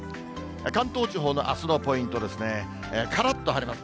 関東地方のあすのポイントですね、からっと晴れます。